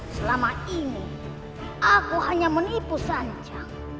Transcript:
selama ini aku hanya menipu saja